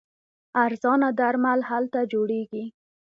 ارزانه درمل هلته جوړیږي.